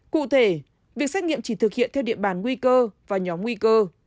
cụ thể việc xét nghiệm chỉ thực hiện theo địa bàn nguy cơ và nhóm nguy cơ